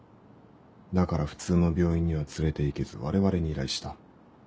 だから普通の病院には連れて行けず我々に依頼した。